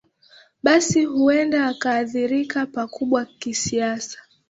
basi huenda akaadhirika pakubwa kisiasa